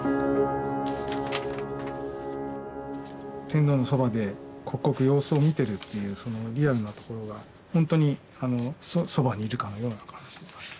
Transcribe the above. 天皇のそばで刻々様子を見てるというそのリアルなところがほんとにそばにいるかのような感じがする。